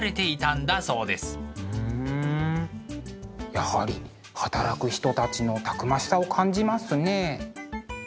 やはり働く人たちのたくましさを感じますね。